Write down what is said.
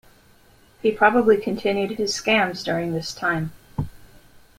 He probably continued his scams during this time.